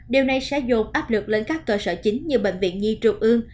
điều này sẽ dồn áp lực lên các cơ sở chính như bệnh viện nhi trung ương